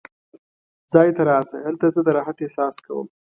ځای ته راشه، هلته زه د راحت احساس کوم.